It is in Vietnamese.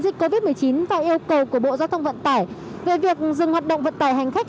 dịch covid một mươi chín và yêu cầu của bộ giao thông vận tải về việc dừng hoạt động vận tải hành khách